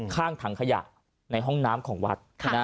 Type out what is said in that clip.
ข้างถังขยะในห้องน้ำของวัด